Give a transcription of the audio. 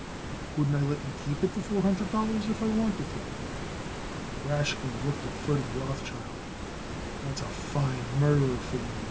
"Couldn't I let you keep it the four hundred dollars if I wanted to?" Rashkin looked at Ferdy Rothschild. "That's a fine murderer for you.